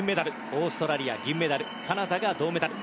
オーストラリア、銀メダルカナダが銅メダル。